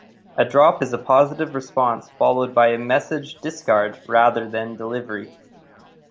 A drop is a positive response followed by message discard rather than delivery.